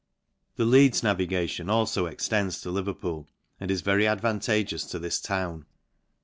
The Leeds navigation alfo extends to Lev&r * pool) and is very advantageous to this town.